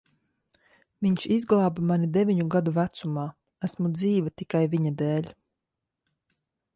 Viņš izglāba mani deviņu gadu vecumā. Esmu dzīva tikai viņa dēļ.